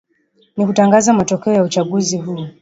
ni kutangaza matokeo ya uchaguzi huu